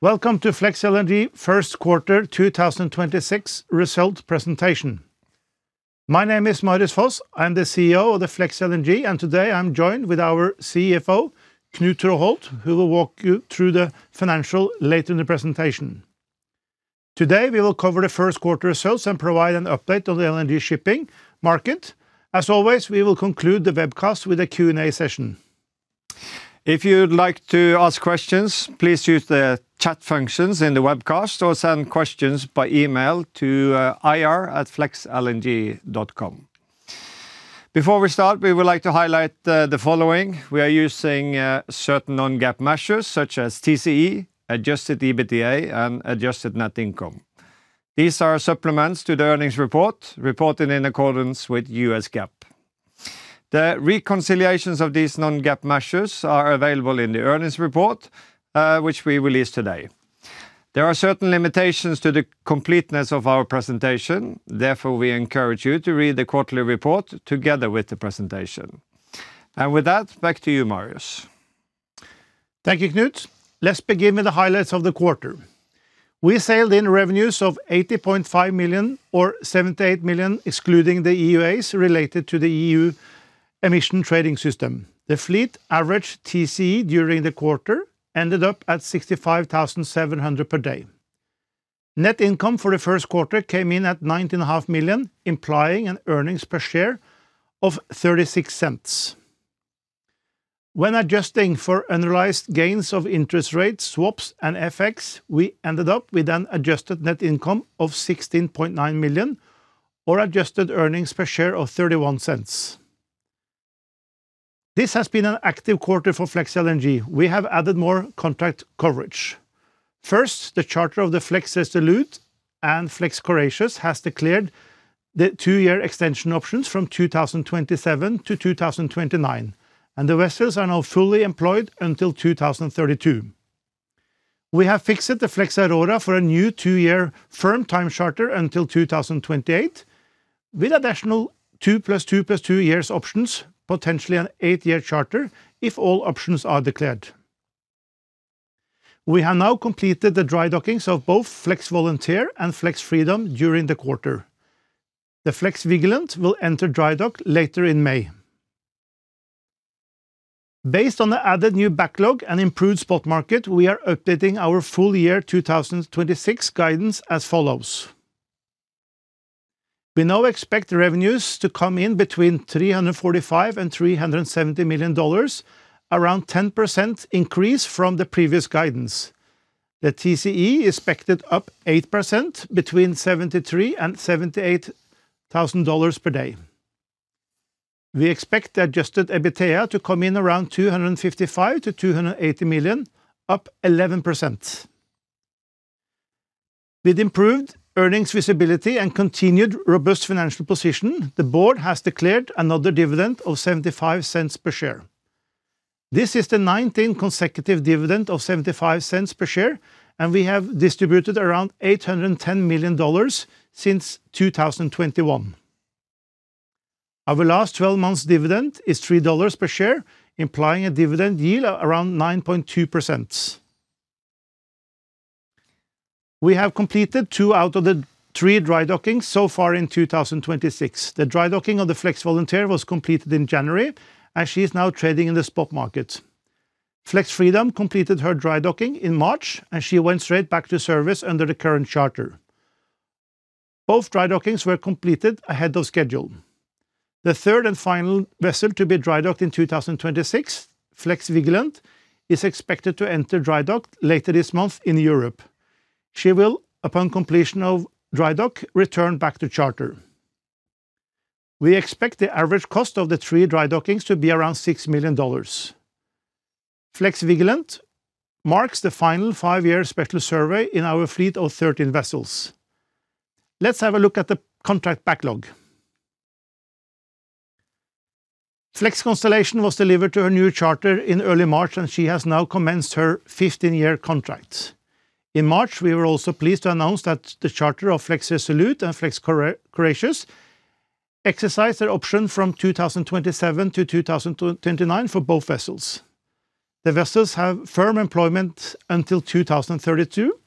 Welcome to Flex LNG first quarter 2026 result presentation. My name is Marius Foss. I am the CEO of Flex LNG, and today I am joined with our CFO, Knut Traaholt, who will walk you through the financials later in the presentation. Today, we will cover the first quarter results and provide an update of the LNG shipping market. As always, we will conclude the webcast with a Q&A session. If you would like to ask questions, please use the chat functions in the webcast or send questions by email to ir@flexlng.com. Before we start, we would like to highlight the following. We are using certain non-GAAP measures such as TCE, adjusted EBITDA, and adjusted net income. These are supplements to the earnings report, reported in accordance with US GAAP. The reconciliations of these non-GAAP measures are available in the earnings report, which we released today. There are certain limitations to the completeness of our presentation. Therefore, we encourage you to read the quarterly report together with the presentation. With that, back to you, Marius. Thank you, Knut. Let's begin with the highlights of the quarter. We sailed in revenues of $80.5 million or $78 million, excluding the EUAs related to the EU Emissions Trading System. The fleet average TCE during the quarter ended up at $65,700 per day. Net income for the first quarter came in at $19.5 million, implying an earnings per share of $0.36. When adjusting for unrealized gains of interest rate swaps and FX, we ended up with an adjusted net income of $16.9 million or adjusted earnings per share of $0.31. This has been an active quarter for Flex LNG. We have added more contract coverage. First, the charter of the Flex Resolute and Flex Courageous has declared the two-year extension options from 2027 to 2029, and the vessels are now fully employed until 2032. We have fixed the Flex Aurora for a new two-year firm time charter until 2028 with additional 2+2+2 years options, potentially an eight-year charter if all options are declared. We have now completed the dry dockings of both Flex Volunteer and Flex Freedom during the quarter. The Flex Vigilant will enter dry dock later in May. Based on the added new backlog and improved spot market, we are updating our full year 2026 guidance as follows. We now expect the revenues to come in between $345 million-$370 million, around 10% increase from the previous guidance. The TCE is expected up 8% between $73 thousand-$78 thousand per day. We expect the adjusted EBITDA to come in around $255 million-$280 million, up 11%. With improved earnings visibility and continued robust financial position, the board has declared another dividend of $0.75 per share. This is the 19th consecutive dividend of $0.75 per share, and we have distributed around $810 million since 2021. Our last 12 months' dividend is $3 per share, implying a dividend yield of around 9.2%. We have completed two out of the three dry dockings so far in 2026. The dry docking of the Flex Volunteer was completed in January, and she is now trading in the spot market. Flex Freedom completed her dry docking in March, and she went straight back to service under the current charter. Both dry dockings were completed ahead of schedule. The third and final vessel to be dry docked in 2026, Flex Vigilant, is expected to enter dry dock later this month in Europe. She will, upon completion of dry dock, return back to charter. We expect the average cost of the three dry dockings to be around $6 million. Flex Vigilant marks the final five-year special survey in our fleet of 13 vessels. Let's have a look at the contract backlog. Flex Constellation was delivered to her new charter in early March, and she has now commenced her 15-year contract. In March, we were also pleased to announce that the charter of Flex Resolute and Flex Courageous exercised their option from 2027 to 2029 for both vessels. The vessels have firm employment until 2032,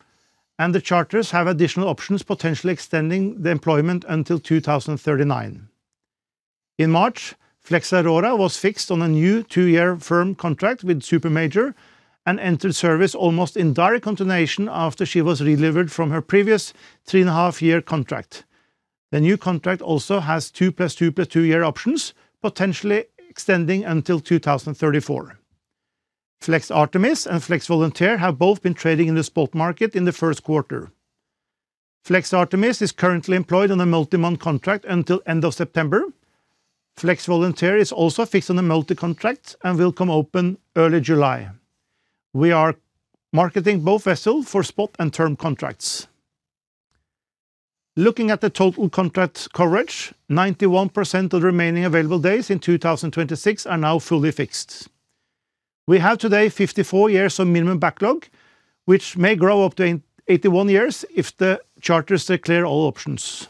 and the charters have additional options, potentially extending the employment until 2039. In March, Flex Aurora was fixed on a new two-year firm contract with Supermajor and entered service almost in direct continuation after she was re-delivered from her previous 3.5-year contract. The new contract also has 2+2+2 year options, potentially extending until 2034. Flex Artemis and Flex Volunteer have both been trading in the spot market in the first quarter. Flex Artemis is currently employed on a multi-month contract until end of September. Flex Volunteer is also fixed on a multi-contract and will come open early July. We are marketing both vessels for spot and term contracts. Looking at the total contract coverage, 91% of the remaining available days in 2026 are now fully fixed. We have today 54 years of minimum backlog, which may grow up to 81 years if the charters declare all options.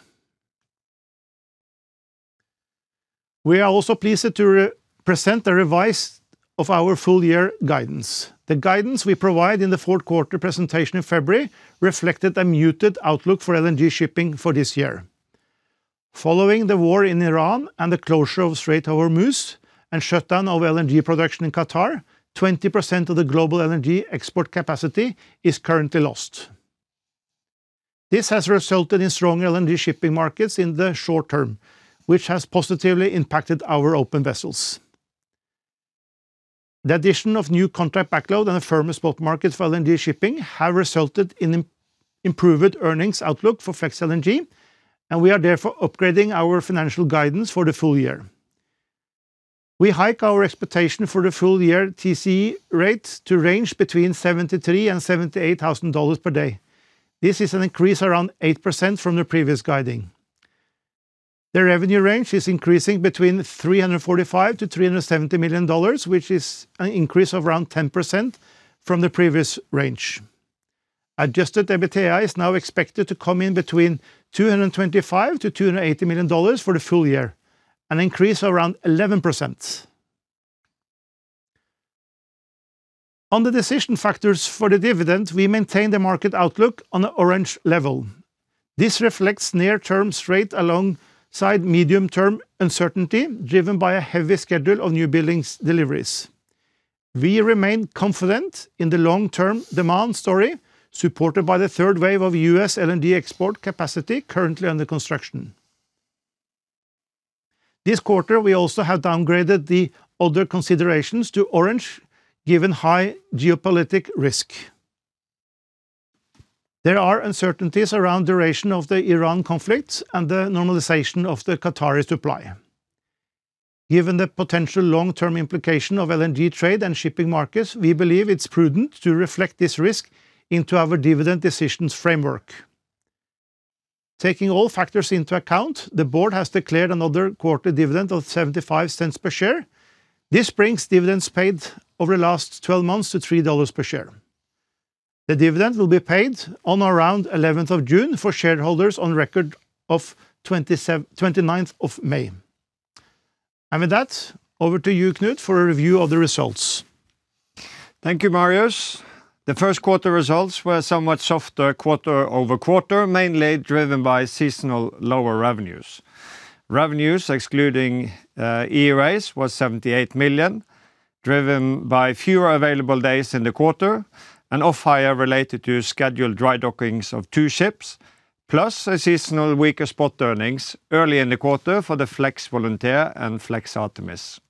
We are also pleased to re-present the revise of our full year guidance. The guidance we provide in the fourth quarter presentation in February reflected a muted outlook for LNG shipping for this year. Following the war in Iran and the closure of Strait of Hormuz, and shutdown of LNG production in Qatar, 20% of the global LNG export capacity is currently lost. This has resulted in strong LNG shipping markets in the short term, which has positively impacted our open vessels. The addition of new contract backlog in the firm spot markets for LNG shipping have resulted in improved earnings outlook for Flex LNG. We are therefore upgrading our financial guidance for the full year. We hike our expectation for the full year TCE rates to range between $73,000 and $78,000 per day. This is an increase around 8% from the previous guiding. The revenue range is increasing between $345 million to $370 million, which is an increase of around 10% from the previous range. Adjusted EBITDA is now expected to come in between $225 million-$280 million for the full year, an increase of around 11%. On the decision factors for the dividend, we maintain the market outlook on the orange level. This reflects near term stress alongside medium term uncertainty driven by a heavy schedule of new buildings deliveries. We remain confident in the long term demand story supported by the third wave of U.S. LNG export capacity currently under construction. This quarter we also have downgraded the other considerations to orange given high geopolitical risk. There are uncertainties around duration of the Iran conflicts and the normalization of the Qatari supply. Given the potential long term implication of LNG trade and shipping markets, we believe it's prudent to reflect this risk into our dividend decisions framework. Taking all factors into account, the board has declared another quarterly dividend of $0.75 per share. This brings dividends paid over the last 12 months to $3 per share. The dividend will be paid on or around 11th of June for shareholders on record of 29th of May. With that, over to you Knut for a review of the results. Thank you, Marius. The first quarter results were a somewhat softer quarter-over-quarter, mainly driven by seasonal lower revenues. Revenues excluding EUAs was $78 million, driven by fewer available days in the quarter and off-hire related to scheduled drydockings of two ships, plus a seasonal weaker spot earnings early in the quarter for the Flex Volunteer and Flex Artemis.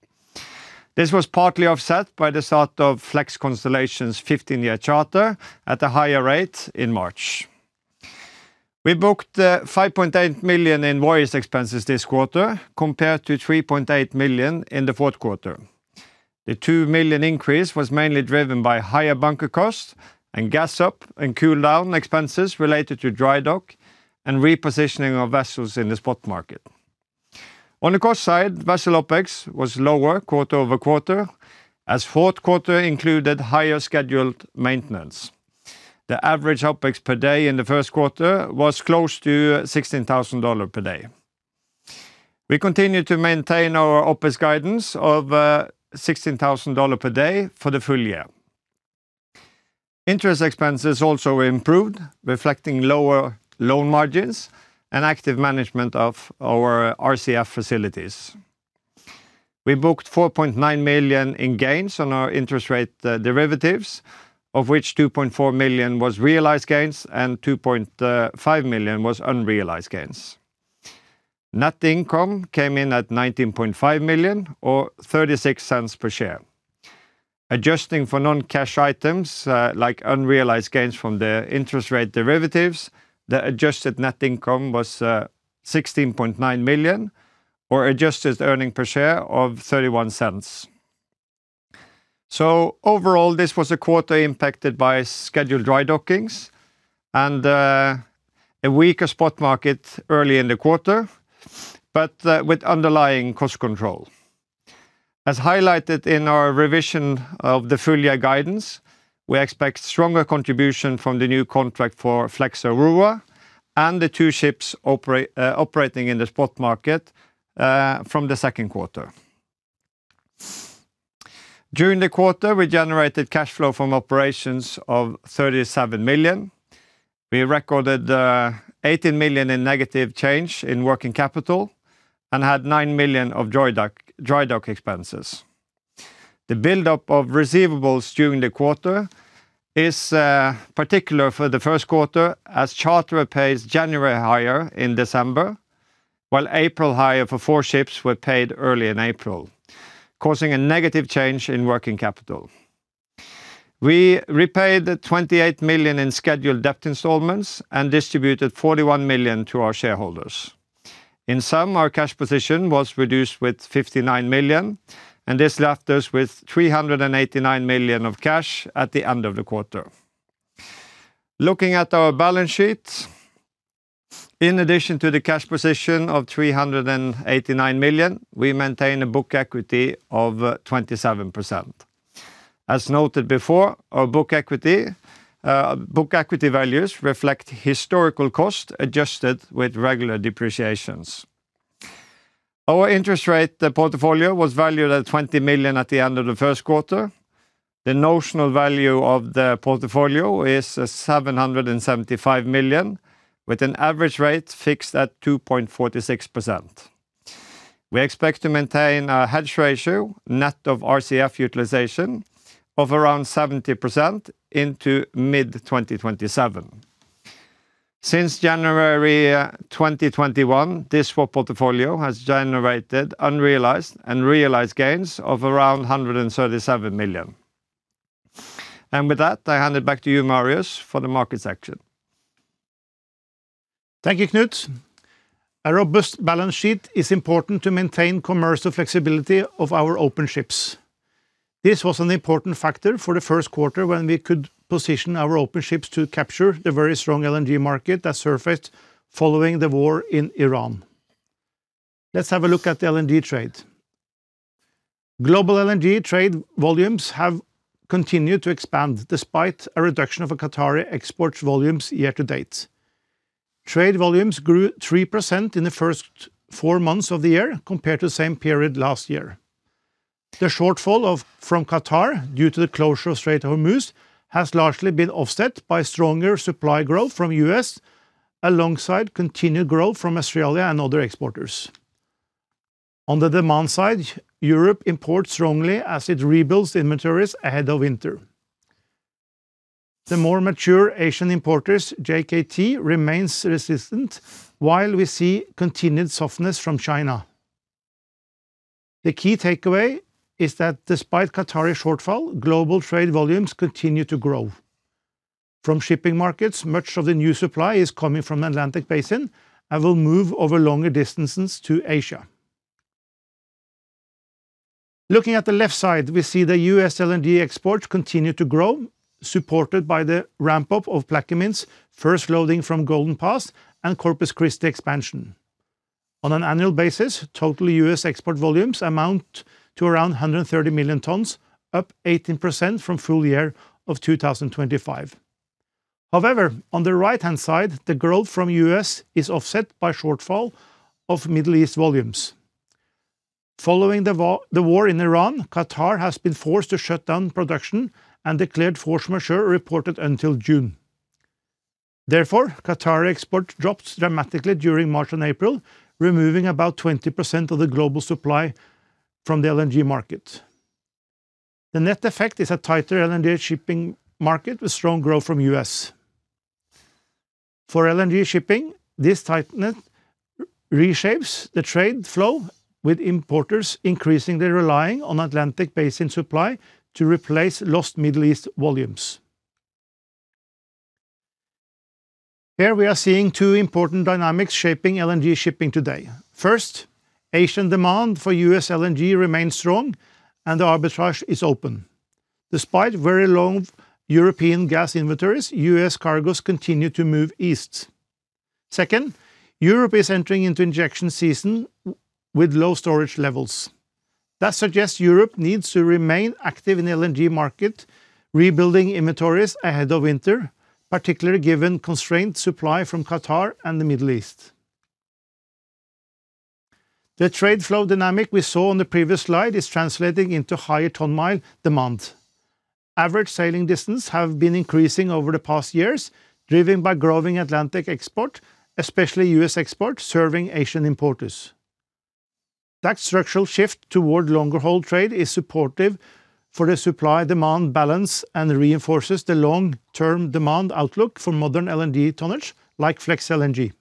This was partly offset by the start of Flex Constellation's 15-year charter at a higher rate in March. We booked $5.8 million in various expenses this quarter compared to $3.8 million in the fourth quarter. The $2 million increase was mainly driven by higher bunker cost and gas up and cool down expenses related to drydock and repositioning of vessels in the spot market. On the cost side, vessel OpEx was lower quarter-over-quarter as fourth quarter included higher scheduled maintenance. The average OpEx per day in the first quarter was close to $16,000 per day. We continue to maintain our OpEx guidance of $16,000 per day for the full year. Interest expenses improved, reflecting lower loan margins and active management of our RCF facilities. We booked $4.9 million in gains on our interest rate, the derivatives, of which $2.4 million was realized gains and $2.5 million was unrealized gains. Net income came in at $19.5 million or $0.36 per share. Adjusting for non-cash items, like unrealized gains from the interest rate derivatives, the adjusted net income was $16.9 million or adjusted earning per share of $0.31. Overall, this was a quarter impacted by scheduled drydockings and a weaker spot market early in the quarter, but with underlying cost control. As highlighted in our revision of the full year guidance, we expect stronger contribution from the new contract for Flex Aurora and the two ships operating in the spot market from the second quarter. During the quarter, we generated cash flow from operations of $37 million. We recorded $18 million in negative change in working capital and had $9 million of drydock expenses. The buildup of receivables during the quarter is particular for the first quarter as charter pays January hire in December, while April hire for four ships were paid early in April, causing a negative change in working capital. We repaid the $28 million in scheduled debt installments and distributed $41 million to our shareholders. In sum, our cash position was reduced with $59 million. This left us with $389 million of cash at the end of the quarter. Looking at our balance sheet, in addition to the cash position of $389 million, we maintain a book equity of 27%. As noted before, our book equity values reflect historical cost adjusted with regular depreciations. Our interest rate, the portfolio, was valued at $20 million at the end of the first quarter. The notional value of the portfolio is $775 million, with an average rate fixed at 2.46%. We expect to maintain a hedge ratio net of RCF utilization of around 70% into mid-2027. Since January 2021, this swap portfolio has generated unrealized and realized gains of around $137 million. With that, I hand it back to you, Marius, for the market section. Thank you, Knut. A robust balance sheet is important to maintain commercial flexibility of our open ships. This was an important factor for the first quarter when we could position our open ships to capture the very strong LNG market that surfaced following the war in Iran. Let's have a look at the LNG trade. Global LNG trade volumes have continued to expand despite a reduction of Qatari export volumes year-to-date. Trade volumes grew 3% in the first four months of the year compared to the same period last year. The shortfall from Qatar due to the closure of Strait of Hormuz has largely been offset by stronger supply growth from U.S. alongside continued growth from Australia and other exporters. On the demand side, Europe imports strongly as it rebuilds inventories ahead of winter. The more mature Asian importers, JKT, remains resistant while we see continued softness from China. The key takeaway is that despite Qatari shortfall, global trade volumes continue to grow. From shipping markets, much of the new supply is coming from the Atlantic Basin and will move over longer distances to Asia. Looking at the left side, we see the U.S. LNG exports continue to grow, supported by the ramp up of Plaquemines first loading from Golden Pass and Corpus Christi expansion. On an annual basis, total U.S. export volumes amount to around 130 million tons, up 18% from full year of 2025. On the right-hand side, the growth from U.S. is offset by shortfall of Middle East volumes. Following the war in Iran, Qatar has been forced to shut down production and declared force majeure reported until June. Therefore, Qatar export drops dramatically during March and April, removing about 20% of the global supply from the LNG market. The net effect is a tighter LNG shipping market with strong growth from U.S. For LNG shipping, this tightness reshapes the trade flow with importers increasingly relying on Atlantic Basin supply to replace lost Middle East volumes. Here, we are seeing two important dynamics shaping LNG shipping today. First, Asian demand for U.S. LNG remains strong and the arbitrage is open. Despite very low European gas inventories, U.S. cargos continue to move east. Second, Europe is entering into injection season with low storage levels. That suggests Europe needs to remain active in the LNG market, rebuilding inventories ahead of winter, particularly given constrained supply from Qatar and the Middle East. The trade flow dynamic we saw on the previous slide is translating into higher ton-mile demand. Average sailing distance have been increasing over the past years, driven by growing Atlantic export, especially U.S. export serving Asian importers. That structural shift toward longer haul trade is supportive for the supply-demand balance and reinforces the long-term demand outlook for modern LNG tonnage like Flex LNG.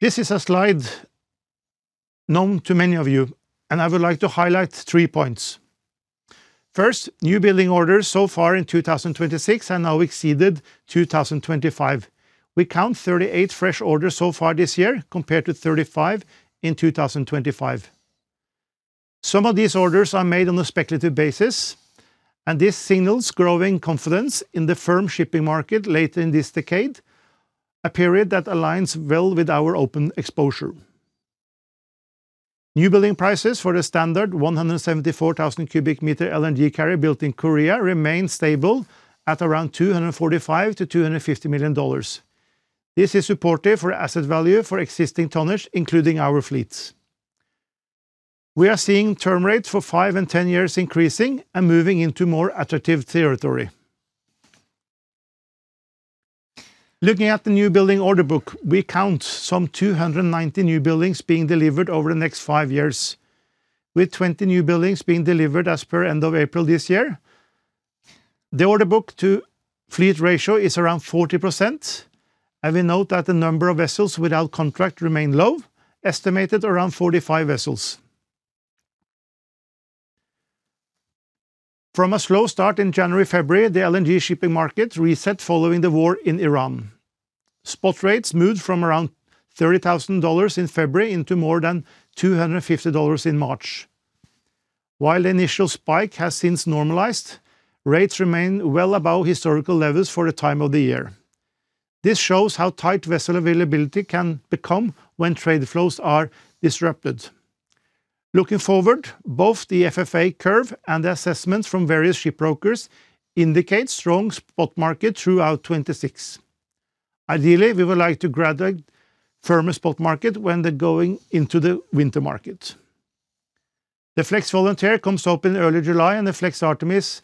This is a slide known to many of you. I would like to highlight three points. First, new building orders so far in 2026 are now exceeded 2025. We count 38 fresh orders so far this year, compared to 35 in 2025. Some of these orders are made on a speculative basis. This signals growing confidence in the firm shipping market later in this decade, a period that aligns well with our open exposure. New building prices for the standard 174,000 cubic meter LNG carrier built in Korea remain stable at around $245 million-$250 million. This is supportive for asset value for existing tonnage, including our fleets. We are seeing term rates for five and 10 years increasing and moving into more attractive territory. Looking at the new building order book, we count some 290 new buildings being delivered over the next five years, with 20 new buildings being delivered as per end of April this year. The order book to fleet ratio is around 40%, and we note that the number of vessels without contract remain low, estimated around 45 vessels. From a slow start in January, February, the LNG shipping market reset following the war in Iran. Spot rates moved from around $30,000 in February into more than $250 in March. While the initial spike has since normalized, rates remain well above historical levels for the time of the year. This shows how tight vessel availability can become when trade flows are disrupted. Looking forward, both the FFA curve and the assessments from various ship brokers indicate strong spot market throughout 2026. Ideally, we would like to grab the firm spot market when they're going into the winter market. The Flex Volunteer comes open early July, and the Flex Artemis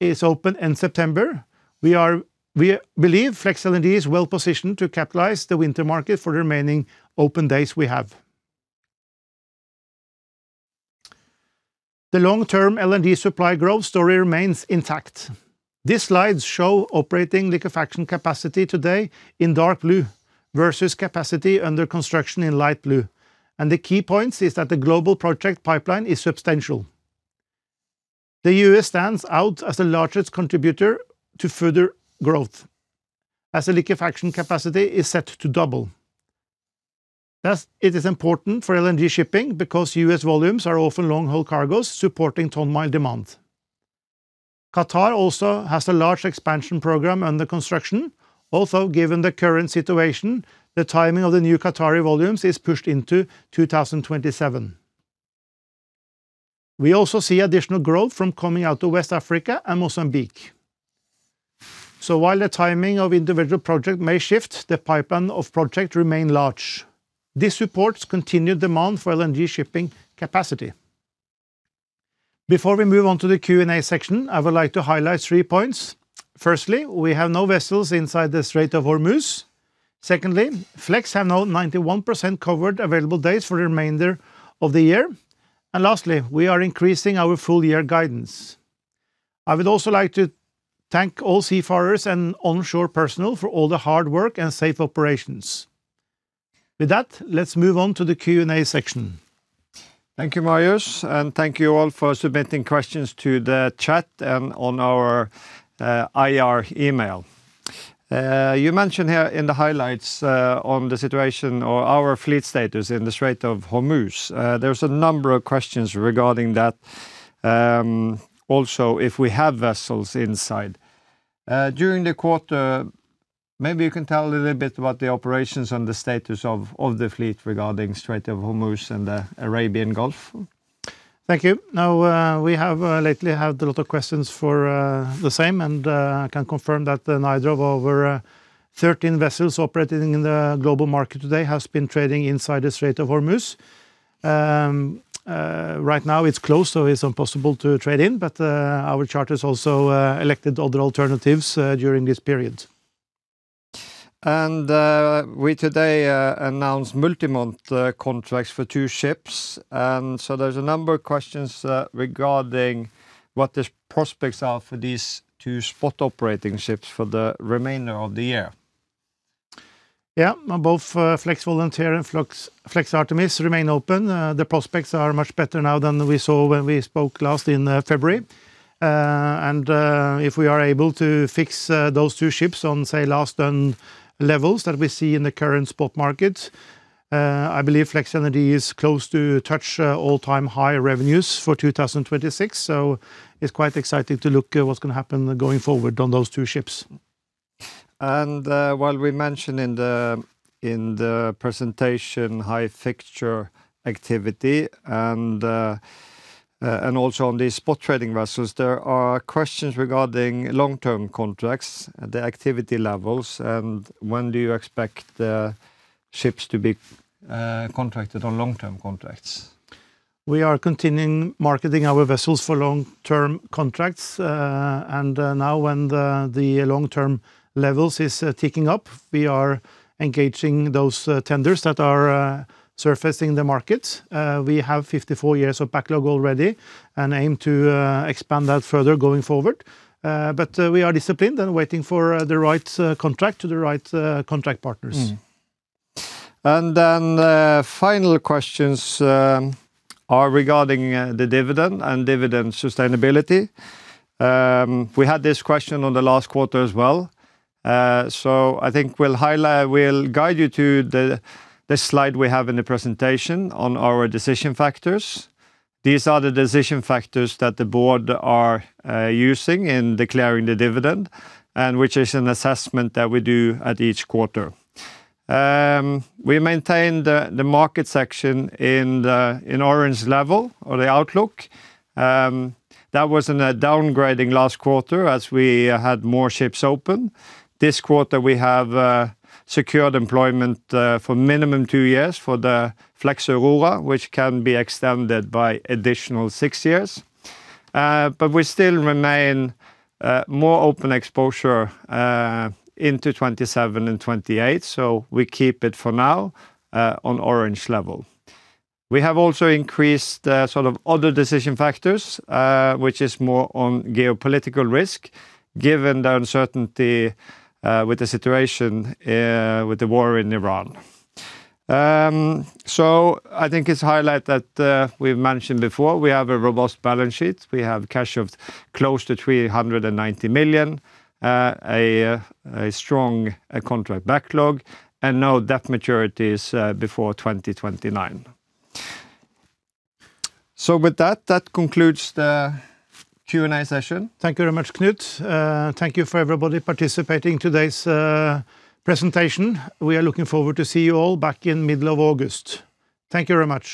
is open in September. We believe Flex LNG is well-positioned to capitalize the winter market for the remaining open days we have. The long-term LNG supply growth story remains intact. These slides show operating liquefaction capacity today in dark blue versus capacity under construction in light blue, the key points is that the global project pipeline is substantial. The U.S. stands out as the largest contributor to further growth as the liquefaction capacity is set to double. Thus, it is important for LNG shipping because U.S. volumes are often long-haul cargos supporting ton-mile demand. Qatar also has a large expansion program under construction. Although, given the current situation, the timing of the new Qatari volumes is pushed into 2027. We also see additional growth from coming out of West Africa and Mozambique. While the timing of individual project may shift, the pipeline of project remain large. This supports continued demand for LNG shipping capacity. Before we move on to the Q&A section, I would like to highlight three points. Firstly, we have no vessels inside the Strait of Hormuz. Secondly, Flex LNG have now 91% covered available days for the remainder of the year. Lastly, we are increasing our full year guidance. I would also like to thank all seafarers and onshore personnel for all the hard work and safe operations. With that, let's move on to the Q&A section. Thank you, Marius, and thank you all for submitting questions to the chat and on our IR email. You mentioned here in the highlights on the situation or our fleet status in the Strait of Hormuz. There's a number of questions regarding that. Also, if we have vessels inside. During the quarter, maybe you can tell a little bit about the operations and the status of the fleet regarding Strait of Hormuz and the Arabian Gulf. Thank you. We have lately had a lot of questions for the same, and I can confirm that neither of our 13 vessels operating in the global market today has been trading inside the Strait of Hormuz. Right now it's closed, so it's impossible to trade in. Our charters also elected other alternatives during this period. We today announced multi-month contracts for two ships. There's a number of questions regarding what the prospects are for these two spot operating ships for the remainder of the year. Both Flex Volunteer and Flex Artemis remain open. The prospects are much better now than we saw when we spoke last in February. If we are able to fix those two ships on, say, last done levels that we see in the current spot market, I believe Flex LNG is close to touch all-time high revenues for 2026. It's quite exciting to look at what's gonna happen going forward on those two ships. While we mentioned in the presentation high fixture activity and also on the spot trading vessels, there are questions regarding long-term contracts, the activity levels, and when do you expect the ships to be contracted on long-term contracts? We are continuing marketing our vessels for long-term contracts. Now when the long-term levels is ticking up, we are engaging those tenders that are surfacing the markets. We have 54 years of backlog already and aim to expand that further going forward. We are disciplined and waiting for the right contract to the right contract partners. The final questions are regarding the dividend and dividend sustainability. We had this question on the last quarter as well. I think we'll guide you to the slide we have in the presentation on our decision factors. These are the decision factors that the board are using in declaring the dividend and which is an assessment that we do at each quarter. We maintain the market section in orange level or the outlook. That was in a downgrading last quarter as we had more ships open. This quarter we have secured employment for minimum two years for the Flex Aurora, which can be extended by additional six years. We still remain more open exposure into 2027 and 2028. We keep it for now on orange level. We have also increased the sort of other decision factors, which is more on geopolitical risk given the uncertainty with the situation with the war in Iran. I think it's highlight that we've mentioned before, we have a robust balance sheet. We have cash of close to $390 million, a strong contract backlog, and no debt maturities before 2029. With that concludes the Q&A session. Thank you very much, Knut. Thank you for everybody participating today's presentation. We are looking forward to see you all back in middle of August. Thank you very much.